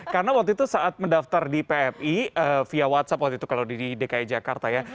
karena waktu itu saat mendaftar di pfi via whatsapp waktu itu kalau di dki jakarta ya